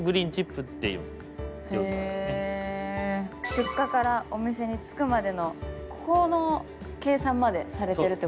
出荷からお店に着くまでのここの計算までされてるってことですね。